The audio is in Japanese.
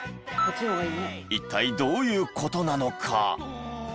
一体どういう事なのか？